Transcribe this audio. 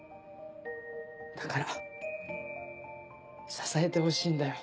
だから支えてほしいんだよ